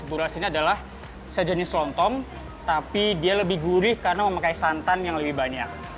beras ini adalah sejenis lontong tapi dia lebih gurih karena memakai santan yang lebih banyak